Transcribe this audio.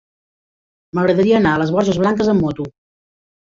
M'agradaria anar a les Borges Blanques amb moto.